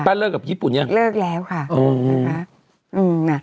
ปั้นเลิกกับญี่ปุ่นหรือยังเลิกแล้วค่ะอืม